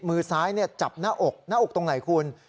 มือซ้ายจับหน้าอกหน้าอกตรงไหนคุณ